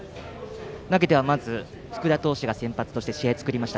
投げてはまず福田投手が先発として試合を作りました。